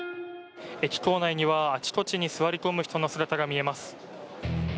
駅構内にはあちこちに座り込む人の姿が見えます。